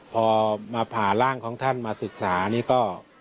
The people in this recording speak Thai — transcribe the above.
พอมาผ่าร่างของท่านมาศึกษานี่ก็